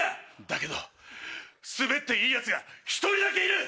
だけどスベっていいヤツが１人だけいる！